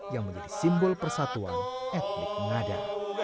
yang menjadi simbol persatuan etnik ngada